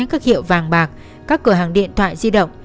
các hiệu vàng bạc các cửa hàng điện thoại di động